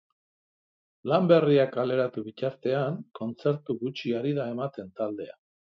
Lan berria kaleratu bitartean, kontzertu gutxi ari da ematen taldea.